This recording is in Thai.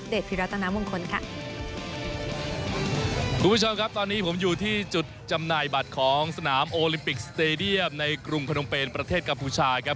พิรัตนามงคลค่ะคุณผู้ชมครับตอนนี้ผมอยู่ที่จุดจำหน่ายบัตรของสนามโอลิมปิกสเตดียมในกรุงพนมเป็นประเทศกัมพูชาครับ